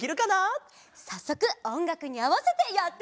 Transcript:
さっそくおんがくにあわせてやってみよう！